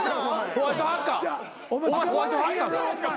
ホワイトハッカーか？